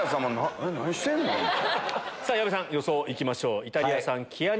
さぁ矢部さん予想いきましょう。